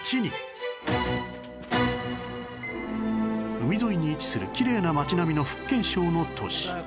海沿いに位置するきれいな街並みの福建省の都市